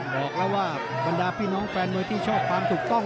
บอกแล้วว่าบรรดาพี่น้องแฟนมวยที่ชอบความถูกต้อง